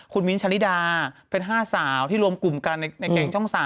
คุณมิ้นทะลิดาเป็น๕สาวที่รวมกลุ่มกันในแกงช่อง๓